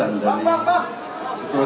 dan saya banggakan